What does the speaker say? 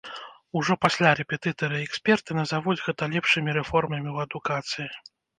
Ужо пасля рэпетытары і эксперты назавуць гэта лепшымі рэформамі ў адукацыі.